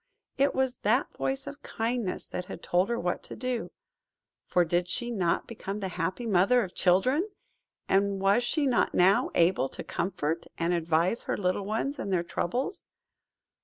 It was that voice of Kindness that had told her what to do. For did she not become the happy mother of children? And was she not now able to comfort and advise her little ones in their troubles?